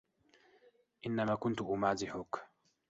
إنَّمَا كُنْتُ أُمَازِحُك